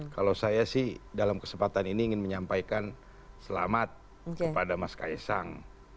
kalau saya sih dalam kesempatan ini ingin menyampaikan selamat kepada mas kaisang